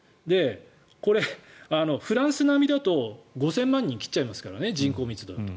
これ、フランス並みだと５０００万人切っちゃいますからね人口密度だと。